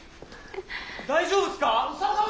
大丈夫すか？